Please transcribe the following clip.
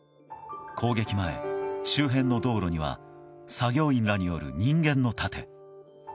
攻撃前、周辺の道路には作業員らによる人間の盾。